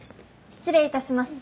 失礼いたします。